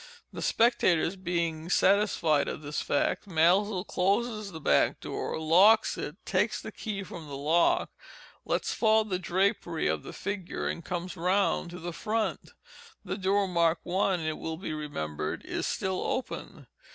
The spectators being satisfied of this fact, Maelzel closes the back door, locks it, takes the key from the lock, lets fall the drapery of the figure, and comes round to the front. The door marked I, it will be remembered, is still open.